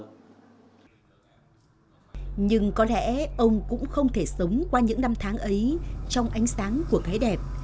nhưng có lẽ ông cũng không thể sống qua những năm tháng ấy trong ánh sáng của cái đẹp